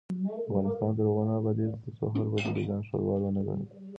افغانستان تر هغو نه ابادیږي، ترڅو هر وګړی ځان ښاروال ونه ګڼي.